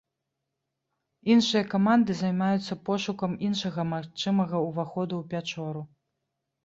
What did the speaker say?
Іншыя каманды займаюцца пошукам іншага магчымага ўваходу ў пячору.